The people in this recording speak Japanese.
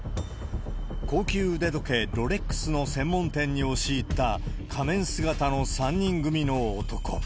高級腕時計、ロレックスの専門店に押し入った仮面姿の３人組の男。